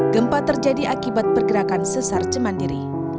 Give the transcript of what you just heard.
gempa terjadi akibat pergerakan sesar cemandiri